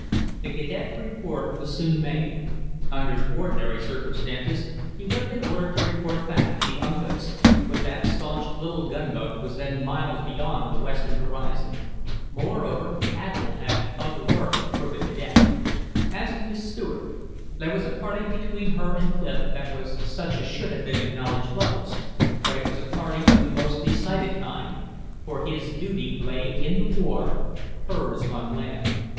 The cadet's report was soon made. Under ordinary circumstances he would have been ordered to report back to the Uncas, but that stanch little gunboat was then miles beyond the western horizon. Moreover, the admiral had other work for the cadet. As to Miss Stuart; there was a parting between her and Clif that was such as should be between acknowledged lovers, but it was a parting of the most decided kind, for his duty lay in the war, hers on land.